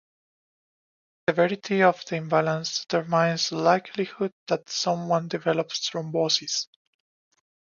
The severity of the imbalance determines the likelihood that someone develops thrombosis.